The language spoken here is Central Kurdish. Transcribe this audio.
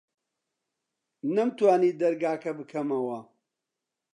نەمتوانی دەرگاکە بکەمەوە.